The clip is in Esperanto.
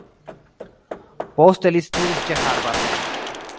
Poste li studis ĉe Harvard.